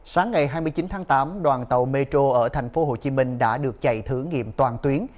sáng ngày hai mươi chín tháng tám đoàn tàu metro ở tp hcm đã được chạy thử nghiệm toàn tuyến